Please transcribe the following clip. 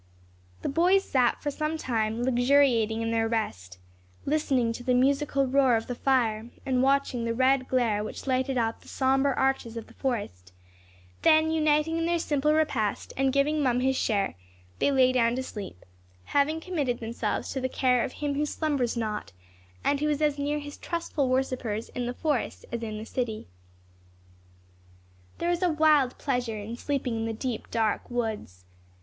The boys sat for some time luxuriating in their rest, listening to the musical roar of their fire, and watching the red glare which lighted up the sombre arches of the forest; then uniting in their simple repast, and giving Mum his share, they lay down to sleep, having committed themselves to the care of Him who slumbers not, and who is as near his trustful worshippers in the forest as in the city. There is a wild pleasure in sleeping in the deep dark woods.